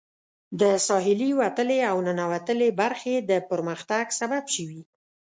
د ساحلي وتلې او ننوتلې برخې د پرمختګ سبب شوي.